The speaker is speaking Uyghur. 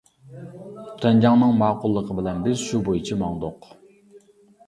تۈەنجاڭنىڭ ماقۇللۇقى بىلەن بىز شۇ بويىچە ماڭدۇق.